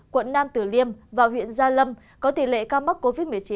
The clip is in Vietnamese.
quận nam tử liêm và huyện gia lâm có tỷ lệ ca mắc covid một mươi chín